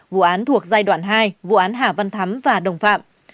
vụ án thuộc giai đoạn hai vụ án hà văn thắm và đồng phạm